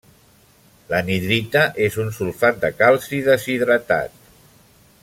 L'anhidrita és un sulfat de calci deshidratat.